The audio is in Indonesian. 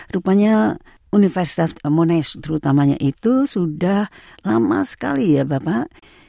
rupanya universitas monas terutamanya itu sudah lama sekali ya bapak